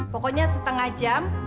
pokoknya setengah jam